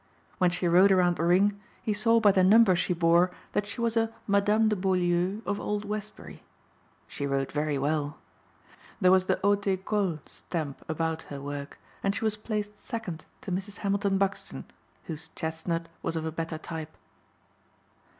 When she rode around the ring he saw by the number she bore that she was a Madame de Beaulieu of Old Westbury. She rode very well. There was the haute école stamp about her work and she was placed second to Mrs. Hamilton Buxton whose chestnut was of a better type.